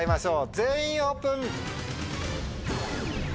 全員オープン！